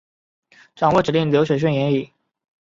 掌握指令流水线原理